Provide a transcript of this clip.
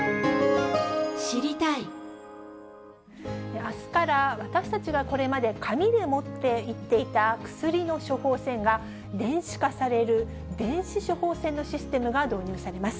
あすから私たちがこれまで紙で持って行っていた薬の処方箋が電子化される電子処方箋のシステムが導入されます。